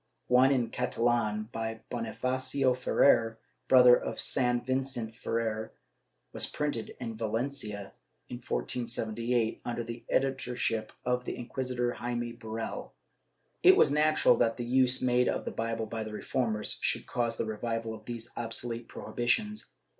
One in Catalan, by Bonifacio Ferrer, brother of San Vicente Ferrer, was printed in Valencia, in 1478, under the editorship of the Inquisitor Jaime Borell.^ It was natural that the use made of the Bible by the Reformers should cause the revival of these obsolete prohibitions.